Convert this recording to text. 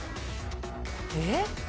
えっ？